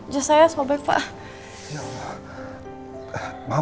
jazz saya sobek pak